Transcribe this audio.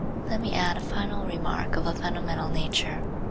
Let me add a final remark of a fundamental nature.